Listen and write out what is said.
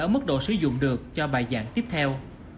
ở mức độ sử dụng được cho bài giảng tiếp theo